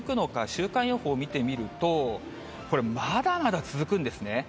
週間予報を見てみると、まだまだ続くんですね。